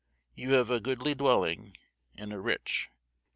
You have a goodly dwelling and a rich.